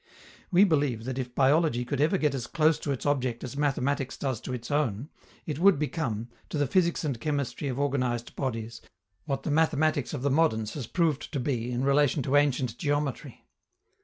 We believe that if biology could ever get as close to its object as mathematics does to its own, it would become, to the physics and chemistry of organized bodies, what the mathematics of the moderns has proved to be in relation to ancient geometry.